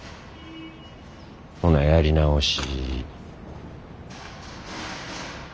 ほなやり直し。